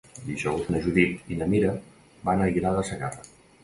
Dijous na Judit i na Mira van a Aguilar de Segarra.